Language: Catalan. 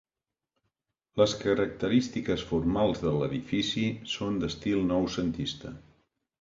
Les característiques formals de l'edifici són d'estil noucentista.